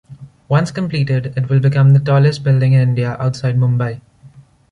Once completed, it will become the tallest building in India outside Mumbai.